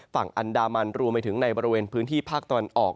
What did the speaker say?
ฝั่งอันดามันรวมไปถึงในบริเวณพื้นที่ภาคตะวันออก